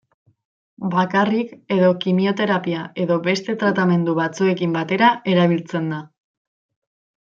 Bakarrik edo kimioterapia edo beste tratamendu batzuekin batera erabiltzen da.